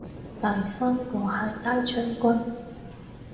第三個係大將軍